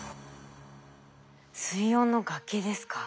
水温の崖ですか。